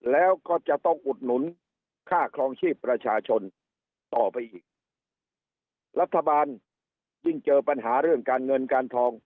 แล้วก็จะต้องอุดหนุนค่าครองชีพประชาชนต่อไปอีกรัฐบาลยิ่งเจอปัญหาเรื่องการเงินการทอง